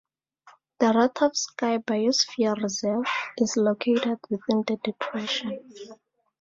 The Rostovsky Biosphere Reserve is located within the Depression.